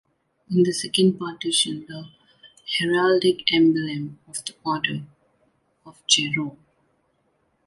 In the second partition, the heraldic emblem of the Order of Jerome.